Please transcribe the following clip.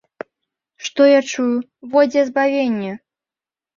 Што я чую, во дзе збавенне.